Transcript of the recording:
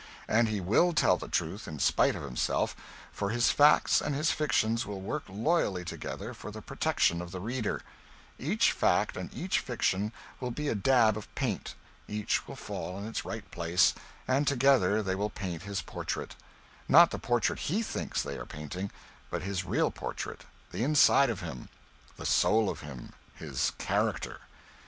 And he will tell the truth in spite of himself, for his facts and his fictions will work loyally together for the protection of the reader; each fact and each fiction will be a dab of paint, each will fall in its right place, and together they will paint his portrait; not the portrait he thinks they are painting, but his real portrait, the inside of him, the soul of him, his character.